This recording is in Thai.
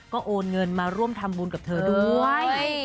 ก็โอนเงินมาร่วมทำบุญกับเธอด้วย